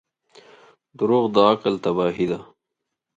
• دروغ د عقل تباهي ده.